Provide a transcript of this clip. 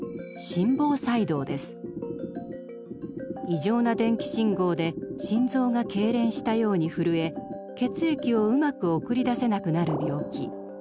異常な電気信号で心臓がけいれんしたように震え血液をうまく送り出せなくなる病気。